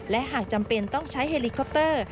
และหากจำเป็นต้องใช้เฮลิคอปเตอร์